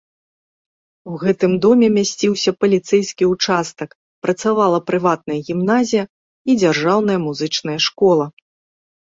У гэтым доме мясціўся паліцэйскі ўчастак, працавала прыватная гімназія і дзяржаўная музычная школа.